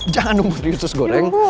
jangan nunggu putri wissus goreng